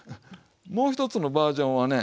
もう一つのバージョンはね